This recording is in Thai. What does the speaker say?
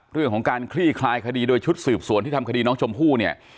เรื่องของการคลี่คลายคดีโดยชุดสืบสวนที่ทำคดีน้องชมพู่เนี่ย